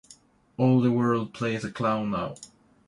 All the world plays a clown now.